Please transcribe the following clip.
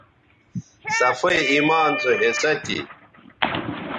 صفائ ایمان سو حصہ تھی